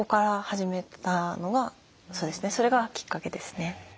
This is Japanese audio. それがきっかけですね。